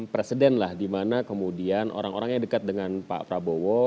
presiden lah dimana kemudian orang orang yang dekat dengan pak prabowo